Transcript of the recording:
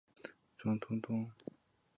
头孢唑肟常态下为白色或淡黄色结晶。